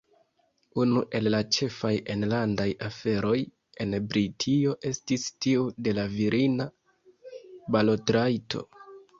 Unu el la ĉefaj enlandaj aferoj en Britio estis tiu de la virina balotrajto.